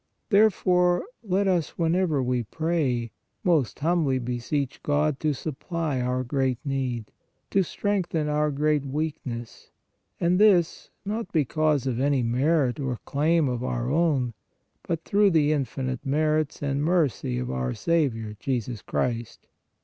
Therefore, let us, whenever we pray, most humbly beseech God to supply our great need, to strengthen our great weakness, and this, not because of any merit or claim of our own, but through the infinite merits and mercy of our Saviour Jesus Christ.